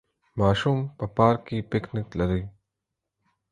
ماشوم په پارک کې پکنک لري.